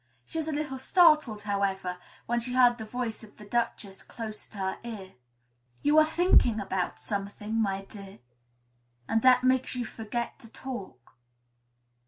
She was a little startled, however, when she heard the voice of the Duchess close to her ear. "You're thinking about something, my dear, and that makes you forget to talk."